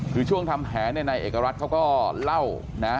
คือช่วงทำแผนเนี่ยนายเอกรัฐเขาก็เล่านะ